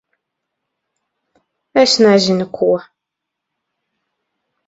Es nezinu ko...